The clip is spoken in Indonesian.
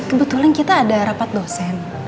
kebetulan kita ada rapat dosen